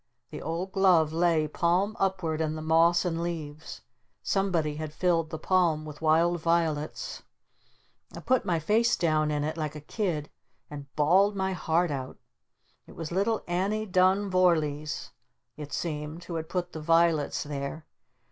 The old glove lay palm upward in the moss and leaves. Somebody had filled the palm with wild violets. I put my face down in it like a kid and bawled my heart out. It was little Annie Dun Vorlees it seemed who had put the violets there.